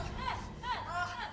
gak apa apa pak